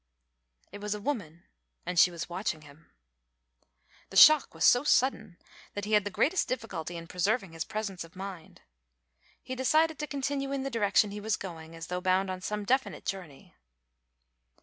It was a woman and she was watching him. The shock was so sudden that he had the greatest difficulty in preserving his presence of mind. He decided to continue in the direction he was going as though bound on some definite journey.